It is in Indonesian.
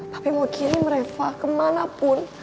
papi mau kirim reva kemanapun